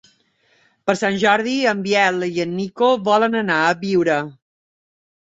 Per Sant Jordi en Biel i en Nico volen anar a Biure.